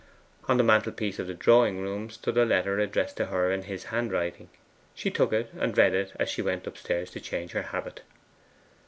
On the mantelpiece of the drawing room stood a letter addressed to her in his handwriting. She took it and read it as she went upstairs to change her habit.